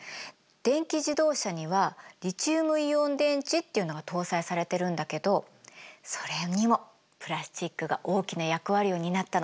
電気自動車にはリチウムイオン電池っていうのが搭載されてるんだけどそれにもプラスチックが大きな役割を担ったの。